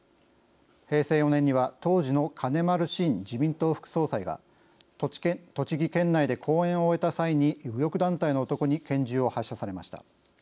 平成４年には当時の金丸信自民党副総裁が栃木県内で講演を終えた際に右翼団体の男に拳銃を発射されました。